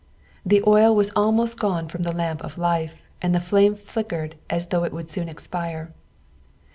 The oil was almost gone from the tamp of li/e, and the flame flickered as though it would soon expire.